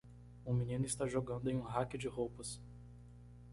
Um menino está jogando em um rack de roupas.